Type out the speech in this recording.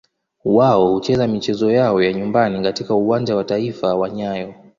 Wao hucheza michezo yao ya nyumbani katika Uwanja wa Taifa wa nyayo.